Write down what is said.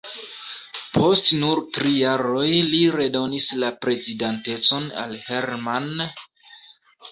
Post nur tri jaroj li redonis la prezidantecon al Herrmann.